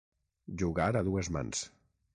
Jugar a dues mans.